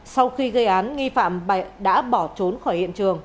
sau khi gây án nghi phạm đã bỏ trốn khỏi hiện trường